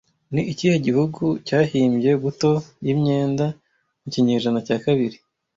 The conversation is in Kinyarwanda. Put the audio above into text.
Ni ikihe gihugu cyahimbye buto y'imyenda mu kinyejana cya kabiri